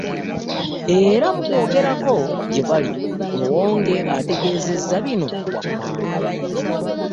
Era mu kwogerako gye bali Muwonge ategeezezza bino wammanga